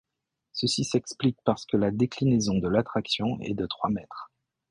Ceci s'explique parce que la déclinaison de l'attraction est de trois mètres.